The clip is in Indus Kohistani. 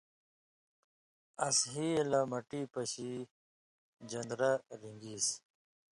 اَس ہی اْے لہ مٹی پشی ژن٘درہ رِن٘گیسیۡ